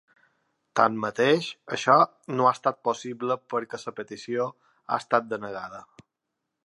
Tanmateix, això no ha estat possible perquè la petició ha estat denegada.